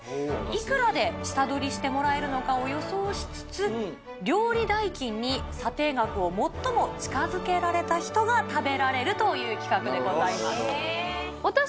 いくらで下取りしてもらえるのかを予想しつつ、料理代金に査定額を最も近づけられた人が食べられるという企画でなるほど。